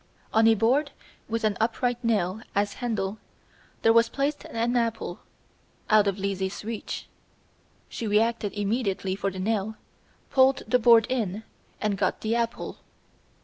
On a board with an upright nail as handle, there was placed an apple out of Lizzie's reach. She reached immediately for the nail, pulled the board in and got the apple.